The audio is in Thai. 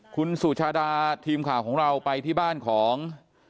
คุณสุชาดาทีมข่าวของเราไปที่บ้านของ